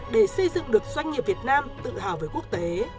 để xây dựng được doanh nghiệp việt nam tự hào với quốc tế